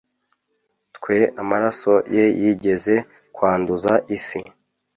twe amaraso ye yigeze kwanduza isi